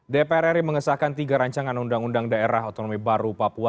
dpr ri mengesahkan tiga rancangan undang undang daerah otonomi baru papua